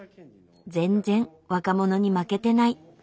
全然若者に負けてない。